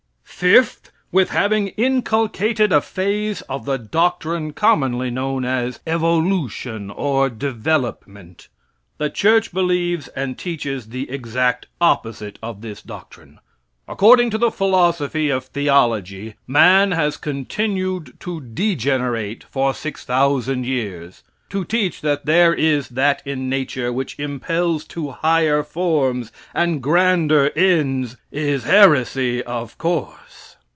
Fifth. With having inculcated a phase of the doctrine commonly known as "Evolution" or "Development." The church believes and teaches the exact opposite of this doctrine. According to the philosophy of theology, man has continued to degenerate for six thousand years. To teach that there is that in Nature which impels to higher forms and grander ends, is heresy of course.